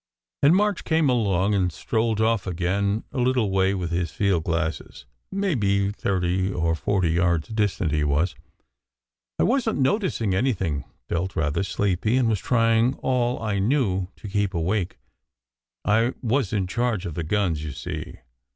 And March came along, and strolled off again a little way with his field glasses. Maybe thirty or forty yards distant, he was. I wasn t noticing anything felt rather sleepy, and was trying all I knew to keep awake. I was in charge of the guns, you see.